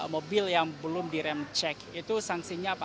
mobil yang belum di rem cek itu sanksinya apa